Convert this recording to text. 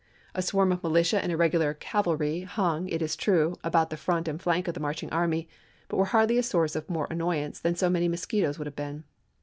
A swarm of militia and irregular cav alry hung, it is true, about the front and flank of the marching army, but were hardly a source of more annoyance than so many mosquitoes would have been.